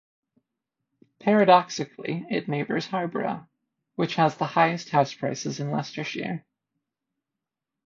Paradoxically it neighbours Harborough, which has the highest house prices in Leicestershire.